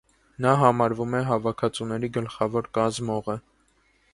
Նա համարվում է հավաքածուների գլխավոր կազմողը։